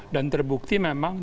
dan terbukti memang